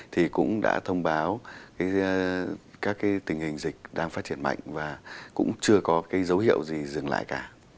thì cũng đã thông báo các tình hình dịch đang phát triển mạnh và cũng chưa có cái dấu hiệu gì dừng lại cả